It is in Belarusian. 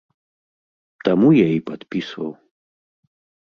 Таму я і падпісваў.